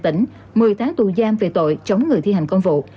trong khi bàn tỉnh một mươi tháng tù giam về tội chống người thi hành công vụ